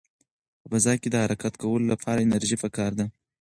په فضا کې د حرکت کولو لپاره انرژي پکار ده.